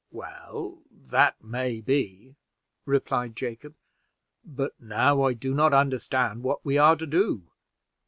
"Well, that may be," replied Jacob; "but now I do not understand what we are to do."